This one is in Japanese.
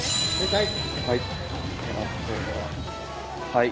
はい。